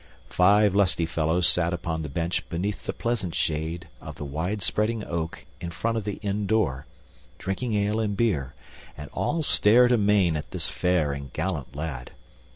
Five lusty fellows sat upon the bench beneath the pleasant shade of the wide spreading oak in front of the inn door, drinking ale and beer, and all stared amain at this fair and gallant lad.